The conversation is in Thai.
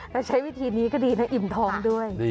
แล้วใช้วิธีนี้ก็ดีนะอิ่มท้องด้วย